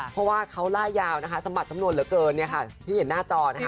เพราะว่าเขาล่ายาวนะคะสะบัดสำนวนเหลือเกินเนี่ยค่ะที่เห็นหน้าจอนะคะ